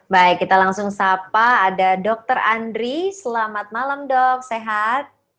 baik kita langsung sapa ada dr andri selamat malam dok sehat